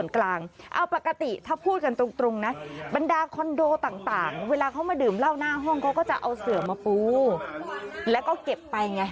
ก็จะเอาเสือมาปูแล้วก็เก็บไปไง